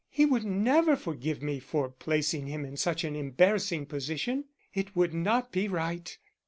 He would never forgive me for placing him in such an embarrassing position. It would not be right."